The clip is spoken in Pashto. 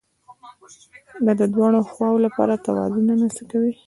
دا د دواړو خواوو لپاره توازن رامنځته کوي